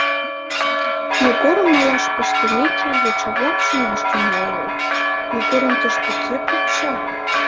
Егорым малаш пыштымеке, йоча-влак шонаш тӱҥалыныт: «Егорым тыште кӧ пукша?»